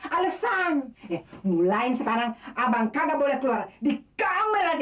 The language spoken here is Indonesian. alesan mulain sekarang abang kagak boleh keluar di kamar aja